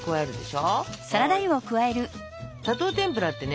砂糖てんぷらってね